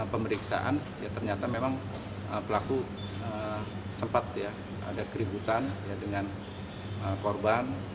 dalam pemeriksaan ternyata memang pelaku sempat ada keributan dengan korban